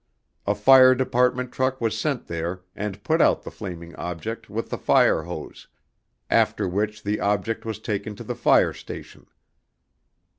A fire department truck was sent there and put out the flaming object with the fire hose, after which the object was taken to the fire station.